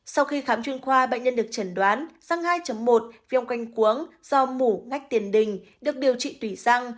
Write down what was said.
sau khi khám chuyên khoa bệnh nhân được chẩn đoán răng hai một viêm quanh cuống do mũ ngách tiền đình được điều trị tùy răng